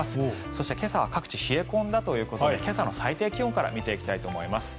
そして今朝は各地冷え込んだということで今朝の最低気温から見ていきたいと思います。